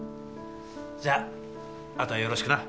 じゃああとはよろしくな。